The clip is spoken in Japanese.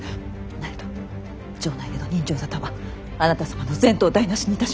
なれど城内での刃傷沙汰はあなた様の前途を台なしにいたします。